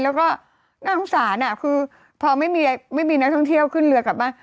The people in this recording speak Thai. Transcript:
แล้วก็น่าสงสารคือพอไม่มีนักท่องเที่ยวขึ้นเรือกลับบ้าน